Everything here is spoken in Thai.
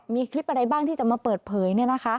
มีคลิปอะไรบ้างที่จะมาเปิดเผย